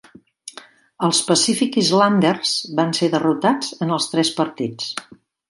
Els Pacific Islanders van ser derrotats en els tres partits.